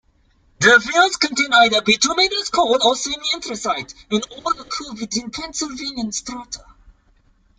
The fields contain either bituminous coal or semi-anthracite, and all occur within Pennsylvanian strata.